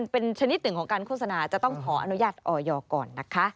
เป็นชนิดหนึ่งของการโฆษณาจะต้องขออนุญาตออยก่อนนะคะ